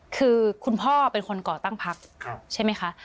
คือคุณพ่อเป็นคนก่อตั้งพักใช่ไหมคะ